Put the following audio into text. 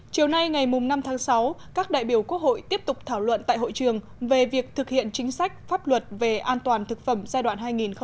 chiều nay ngày năm tháng sáu các đại biểu quốc hội tiếp tục thảo luận tại hội trường về việc thực hiện chính sách pháp luật về an toàn thực phẩm giai đoạn hai nghìn một mươi chín hai nghìn hai mươi